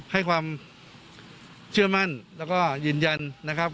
ให้ความเชื่อมั่นแล้วก็ยืนยันนะครับ